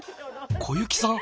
小雪さん